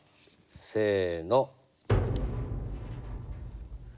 せの。